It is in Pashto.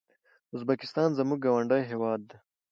ازبکستان زموږ ګاونډی هيواد ده